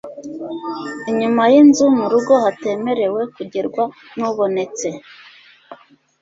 Inyuma y'inzu mu rugo hatemerewe kugerwa n'ubonetse